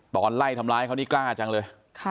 ตอนไล่ทำร้ายเขานี่กล้าจังเลย